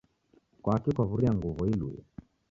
kwaki kwaw'uria nguw'o ilue?